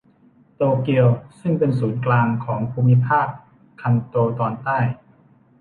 โตเกียวซึ่งเป็นศูนย์กลางของภูมิภาคคันโตตอนใต้